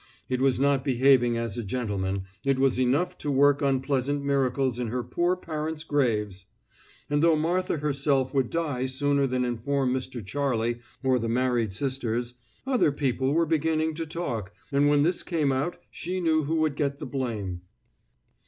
It was not behaving as a gentleman; it was enough to work unpleasant miracles in her poor parents' graves; and though Martha herself would die sooner than inform Mr. Charlie or the married sisters, other people were beginning to talk, and when this came out she knew who would get the blame.